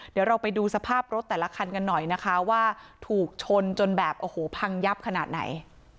เดี๋ยวเราไปดูสภาพรถแต่ละคันกันหน่อยนะคะว่าถูกชนจนแบบโอ้โหพังยับขนาดไหน